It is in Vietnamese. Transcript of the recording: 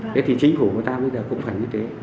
thế thì chính phủ của ta bây giờ cũng phải như thế